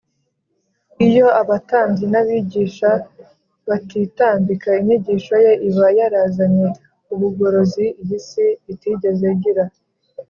Iyo abatambyi n’abigisha batitambika, inyigisho Ye iba yarazanye ubugorozi iyi si itigeze igira